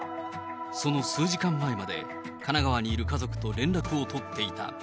その数時間前まで、神奈川にいる家族と連絡を取っていた。